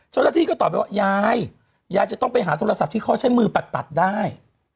เจ้าหน้าที่ก็ตอบไปว่ายายยายจะต้องไปหาโทรศัพท์ที่เขาใช้มือปัดได้